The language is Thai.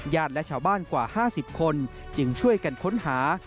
และชาวบ้านกว่า๕๐คนจึงช่วยกันค้นหา